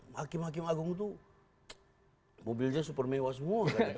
hakim hakim agung itu mobilnya super mewah semua